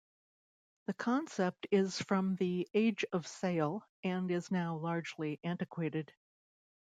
The concept is from the Age of Sail, and is now largely antiquated.